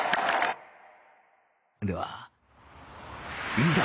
ではいざ！